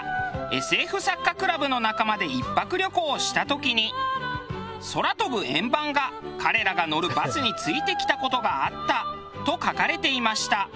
ＳＦ作家クラブの仲間で１泊旅行をした時に「空飛ぶ円盤が彼らが乗るバスについてきた事があった」と書かれていました。